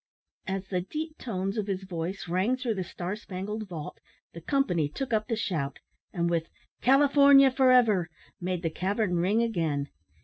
As the deep tones of his voice rang through the star spangled vault, the company took up the shout, and with "California for ever!" made the cavern ring again.